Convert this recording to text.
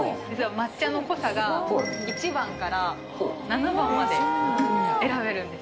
抹茶の濃さが１番から７番まで選べるんです。